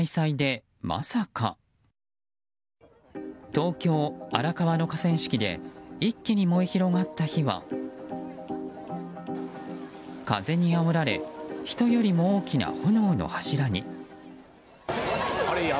東京・荒川の河川敷で一気に燃え広がった火は風にあおられ人よりも大きな炎の柱に。